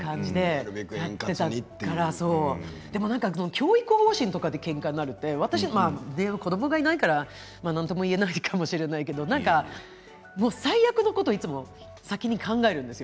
でも教育方針とかでけんかになるって私は子どもがいないから何とも言えないかもしれないけど最悪のことをいつも先に考えるんですよ。